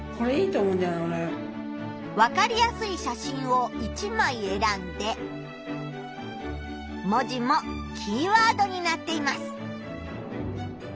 わかりやすい写真を１まいえらんで文字もキーワードになっています。